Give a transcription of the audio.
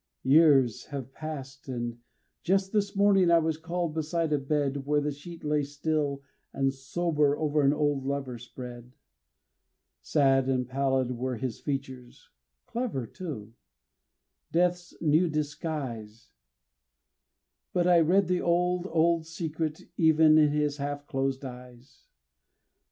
Years have passed, and just this morning I was called beside a bed, Where the sheet lay still and sober over an old lover spread; Sad and pallid were his features, clever, too, Death's new disguise, But I read the old, old secret, even in his half closed eyes.